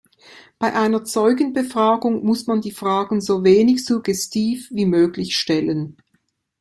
Bei einer Zeugenbefragung muss man die Fragen so wenig suggestiv wie möglich stellen.